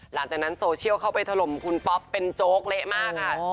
หลังจากนั้นโซเชียลเข้าไปถล่มคุณป๊อปเป็นโจ๊กเละมากค่ะ